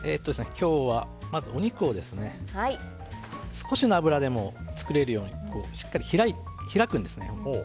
今日は、まずお肉を少しの油でも作れるようにしっかり開くんですね。